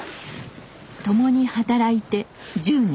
共に働いて１０年。